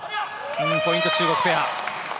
ポイント、中国ペア。